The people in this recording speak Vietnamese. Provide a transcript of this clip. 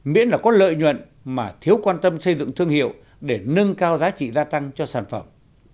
miễn là có lợi nhuận mà thiếu quan tâm xây dựng thương hiệu để nâng cao giá trị gia tăng cho sản phẩm